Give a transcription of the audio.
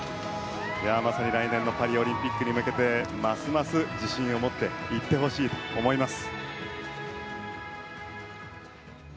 まさに来年のパリオリンピックに向けてますます自信を持っていってほしいと思います。